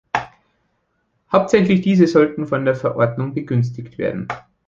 Hauptsächlich diese sollten von der Verordnung begünstigt werden.